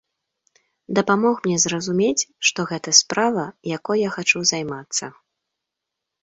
Дапамог мне зразумець, што гэта справа, якой я хачу займацца.